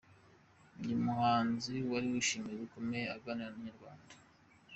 Uyu muhanzi wari wishimiwe bikomeye aganira na Inyarwanda.